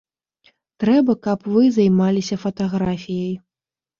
Трэба, каб вы займаліся фатаграфіяй.